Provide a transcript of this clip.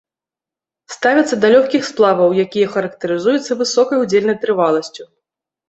Ставяцца да лёгкіх сплаваў, якія характарызуюцца высокай удзельнай трываласцю.